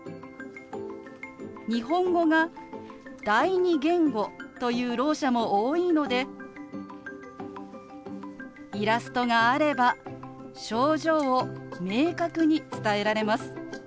日本語が第二言語というろう者も多いのでイラストがあれば症状を明確に伝えられます。